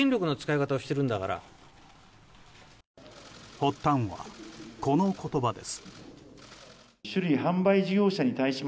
発端は、この言葉です。